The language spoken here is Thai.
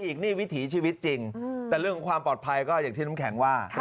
อีกนี่วิถีชีวิตจริงแต่เรื่องของความปลอดภัยก็อย่างที่น้ำแข็งว่า